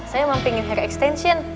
saya memang pengen harga extension